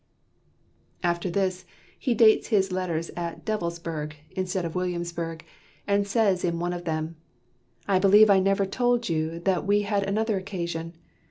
After this, he dates his letters at "Devilsburg," instead of Williamsburg, and says in one of them, "I believe I never told you that we had another occasion."